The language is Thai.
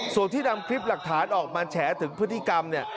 ส่วนที่นำคลิปหลักฐานออกมาแฉถึงพฤติกรรมเนี่ย